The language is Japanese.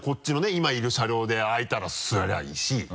今いる車両で空いたら座りゃいいし。